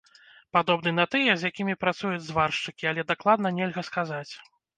Падобны на тыя, з якімі працуюць зваршчыкі, але дакладна нельга сказаць.